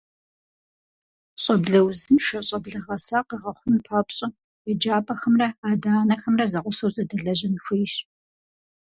Щӏэблэ узыншэ, щӏэблэ гъэса къэгъэхъун папщӏэ еджапӏэхэмрэ адэ-анэхэмрэ зэгъусэу зэдэлэжьэн хуейщ.